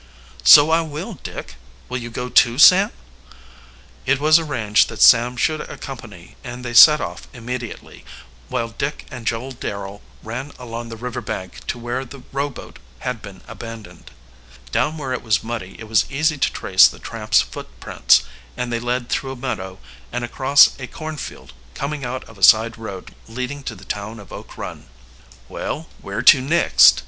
"So I will, Dick. Will you go too, Sam?" It was arranged that Sam should accompany and they set off immediately, while Dick and Joel Darrel ran along the river bank to where the rowboat had been abandoned. Down where it was muddy it was easy to trace the tramp's footprints, and they led through a meadow and across a cornfield, coming out at a side road leading to the town of Oak Run. "Well, where to next?"